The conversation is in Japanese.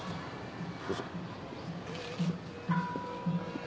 どうぞ。